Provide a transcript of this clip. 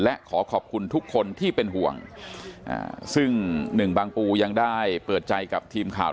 และขอขอบคุณทุกคนที่เป็นห่วงซึ่งหนึ่งบางปูยังได้เปิดใจกับทีมข่าว